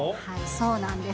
そうなんです。